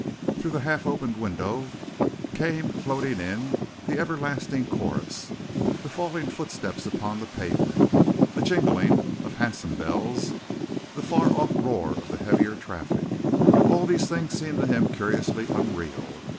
Through the half opened window came floating in the everlasting chorus, the falling footsteps upon the pavement, the jingling of hansom bells, the far off roar of the heavier traffic. All these things seemed to him curiously unreal.